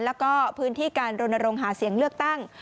แล้วก็พื้นที่การรณรงค์หาเสียงเลือกตั้ง